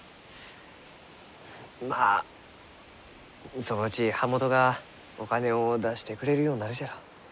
まあそのうち版元がお金を出してくれるようになるじゃろう。